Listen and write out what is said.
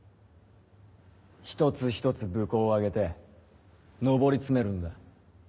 一つ一つ武功をあげて上り詰めるんだ。